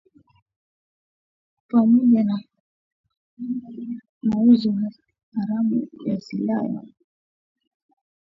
Pamoja na mauzo haramu ya silaha, washtakiwa hao pia wanashtakiwa kwa uhalifu wa kivita, kushiriki katika harakati za uasi na kushirikiana na wahalifu